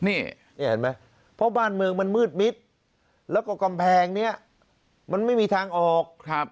นี่เห็นไหมเพราะบ้านเมืองมันมืดมิดแล้วก็กำแพงนี้มันไม่มีทางออก